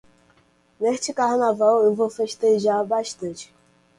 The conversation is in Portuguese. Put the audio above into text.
Neste carnaval eu vou festejar bastante.